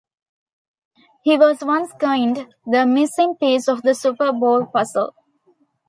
He was once coined "the missing piece to the Super Bowl puzzle".